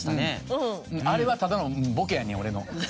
あれはただのボケ俺の。